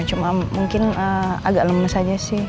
cuma mungkin agak lemes aja sih